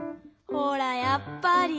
ほらやっぱり。